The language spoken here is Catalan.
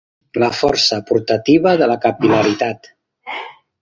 La força portativa de la capil·laritat.